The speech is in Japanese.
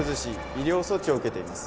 医療措置を受けています